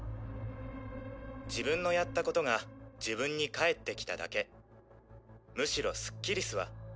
自分のやったことが自分に返ってきただけむしろスッキリすわ。